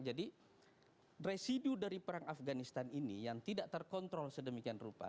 jadi residu dari perang afganistan ini yang tidak terkontrol sedemikian rupa